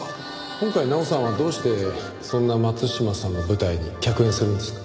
今回奈央さんはどうしてそんな松島さんの舞台に客演するんですか？